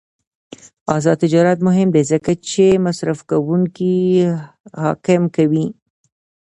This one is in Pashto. آزاد تجارت مهم دی ځکه چې مصرفکونکي حاکم کوي.